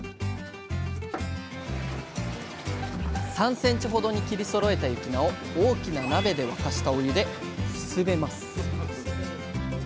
３センチほどに切りそろえた雪菜を大きな鍋で沸かしたお湯で「ふすべ」ます